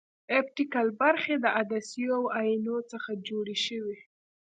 اپټیکل برخې د عدسیو او اینو څخه جوړې شوې.